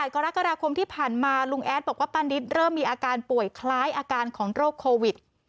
กรกฎาคมที่ผ่านมาลุงแอดบอกว่าป้านิตเริ่มมีอาการป่วยคล้ายอาการของโรคโควิด